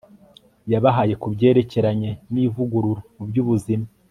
yabahaye ku byerekeranye nivugurura mu byubuzima